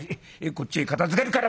こっちへ片づけるから」。